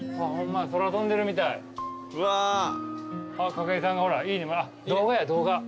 筧さんがほら「いいね」あっ動画や動画。